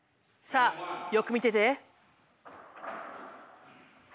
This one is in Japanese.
さあよく見てて。